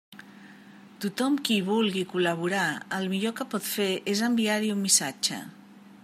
Tothom qui hi vulgui col·laborar el millor que pot fer és enviar-hi un missatge.